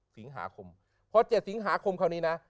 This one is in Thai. สิงหาคมพอ๗สิงหาคมคราวนี้นะ